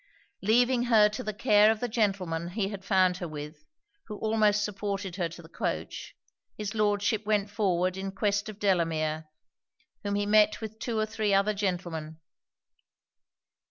Leaving her to the care of the gentleman he had found her with, who almost supported her to the coach, his Lordship went forward in quest of Delamere, whom he met with two or three other gentlemen.